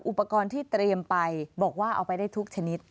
อุปกรณ์ที่เตรียมไปบอกว่าเอาไปได้ทุกชนิด